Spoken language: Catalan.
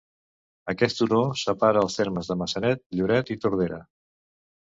Aquest turó separa els termes de Maçanet, Lloret i Tordera.